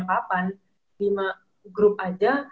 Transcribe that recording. kapan lima grup aja